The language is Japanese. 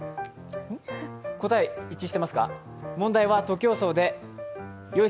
答え一致してますか？